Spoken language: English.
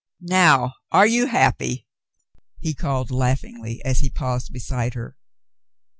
"Now are you happy?" he called laughingly, as he paused beside her.